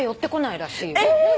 えっ！？